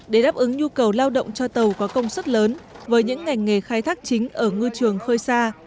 để đáp ứng nhu cầu lao động cho tàu có công suất lớn với những ngành nghề khai thác chính ở ngư trường khơi xa